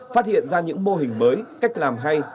phát hiện ra những mô hình mới cách làm hay